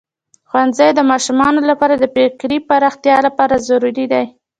ښوونځی د ماشومانو لپاره د فکري پراختیا لپاره ضروری دی.